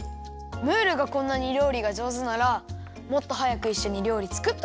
ムールがこんなにりょうりがじょうずならもっとはやくいっしょにりょうりつくっとけばよかったよ。